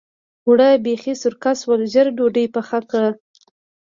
اوړه بېخي سرکه شول؛ ژر ډودۍ پخه کړه.